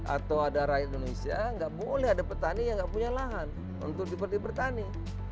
atau ada daerah indonesia nggak boleh ada petani yang nggak punya lahan untuk dipertani